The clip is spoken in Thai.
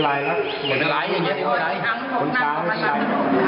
แล้วมันเอาหนูไปโยนทิ้งน้ำไหม